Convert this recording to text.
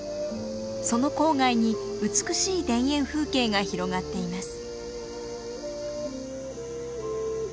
その郊外に美しい田園風景が広がっています。